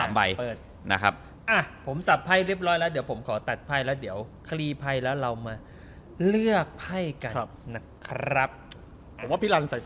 มาด้วยใจ